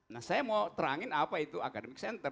nah saya mau terangin apa itu academic center